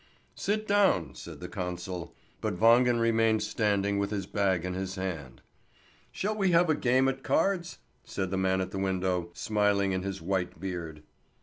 "Sit down!" said the consul, but Wangen remained standing with his bag in his hand. "Shall we have a game at cards?" said the man at the window, smiling in his white beard.